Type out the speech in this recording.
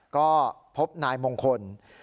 ก็พบนายมงคล